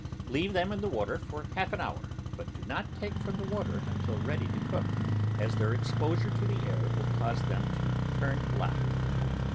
Leave them in the water for half an hour, but do not take from the water until ready to cook, as their ex posure to the air will cause them to turn black.